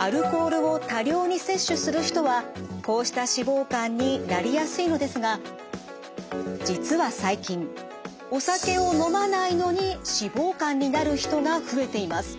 アルコールを多量に摂取する人はこうした脂肪肝になりやすいのですが実は最近お酒を飲まないのに脂肪肝になる人が増えています。